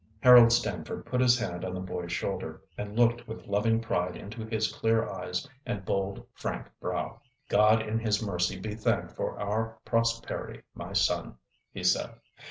Harold Stamford put his hand on the boy's shoulder, and looked with loving pride into his clear eyes and bold, frank brow. "God in His mercy be thanked for our prosperity, my son!" he said.